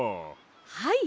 はい！